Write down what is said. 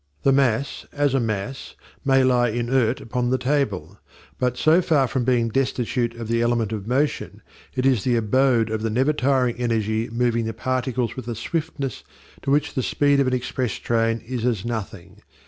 The mass, as a mass, may lie inert upon the table; but so far from being destitute of the element of motion it is the abode of the never tiring energy moving the particles with a swiftness to which the speed of an express train is as nothing.